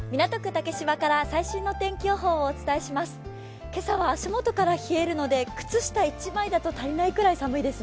竹芝から最新の天気予報をお伝えします。